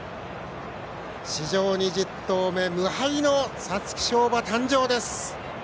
史上２０頭目無敗の皐月賞馬誕生です。